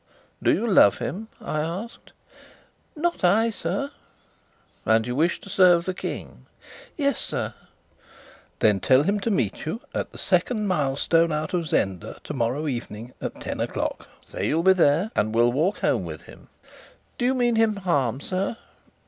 "Do you love him?" I asked. "Not I, sir." "And you wish to serve the King?" "Yes, sir." "Then tell him to meet you at the second milestone out of Zenda tomorrow evening at ten o'clock. Say you'll be there and will walk home with him." "Do you mean him harm, sir?"